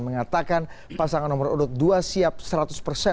mengatakan pasangan nomor urut dua siap selesai